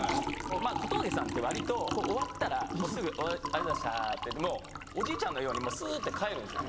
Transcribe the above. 小峠さんって割と終わったらもうすぐありがとうございましたって言ってもうおじいちゃんのようにすって帰るんですよ。